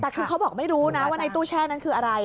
แต่คือเขาบอกไม่รู้นะว่าในตู้แช่นั้นคืออะไร